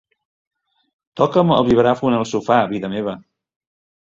Toca'm el vibràfon al sofà, vida meva.